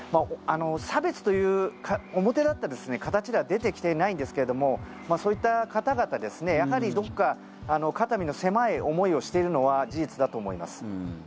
差別という表立った形では出てきていないんですけどもそういった方々やはり、どこか肩身の狭い思いをしているのは事実だと思います。